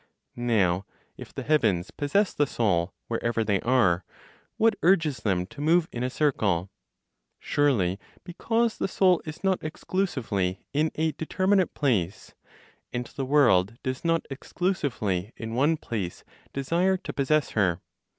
Now, if the heavens possess the Soul, wherever they are, what urges them to move in a circle? Surely because the Soul is not exclusively in a determinate place (and the world does not exclusively in one place desire to possess her).